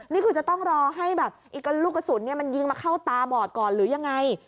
นี่คือจะต้องรอให้แบบลูกกระสุนมันยิงมาเข้าตาบอดก่อนหรือยังไง